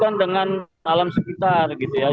lando igual alam seperti ini